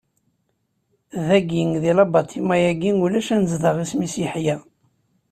Dagi, di labaṭima-agi ulac anezdaɣ isem-is Yeḥya.